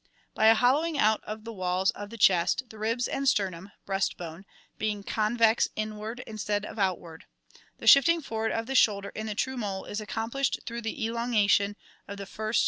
57,B), by a hollowing out of the walls of the chest, the ribs and sternum (breast bone) being convex inward instead of outward. The shifting forward of the shoulder in the true mole is accomplished through the elongation of the first sternal Fig. 58.